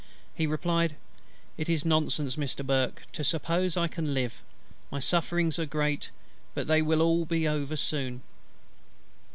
He replied, "It is nonsense, Mr. BURKE, to suppose I can live: my sufferings are great, but they will all be soon over."